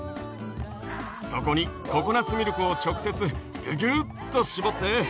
そこにココナツミルクを直接ぎゅぎゅっとしぼって。